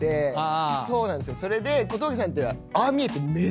それで小峠さんってああ見えて。